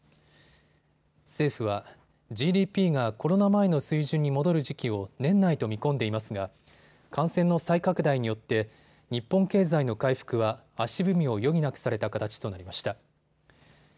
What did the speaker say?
政府はＧＤＰがコロナ前の水準に戻る時期を年内と見込んでいますが感染の再拡大によって日本経済の回復は足踏みを余儀なくされた形となりました。